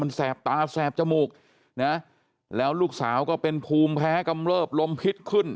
แสบตาแสบจมูกนะแล้วลูกสาวก็เป็นภูมิแพ้กำเริบลมพิษขึ้น